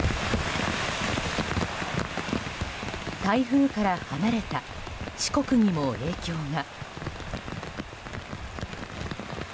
台風から離れた四国にも影響が。